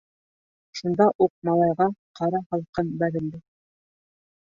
Шунда уҡ малайға ҡара һалҡын бәрелде.